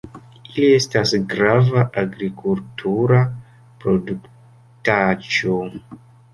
Ili estas grava agrikultura produktaĵo.